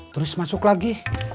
terus masuk lagi